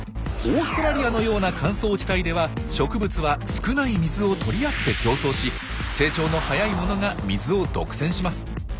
オーストラリアのような乾燥地帯では植物は少ない水を取り合って競争し成長の早いものが水を独占します。